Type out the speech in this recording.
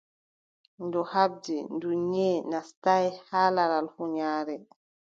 Ndu haɓdi, ndu, nyiʼe naastaay har laral huunyaare.